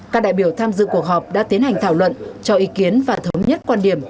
các đại biểu tham dự cuộc họp đã tiến hành thảo luận cho ý kiến và thống nhất quan điểm